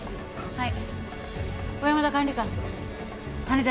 はい。